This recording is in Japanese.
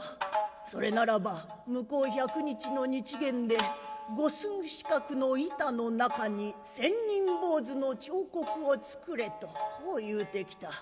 それならば向こう百日の日限で五寸四角の板の中に千人坊主の彫刻を作れとこう言うてきた。